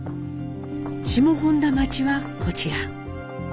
下本多町はこちら。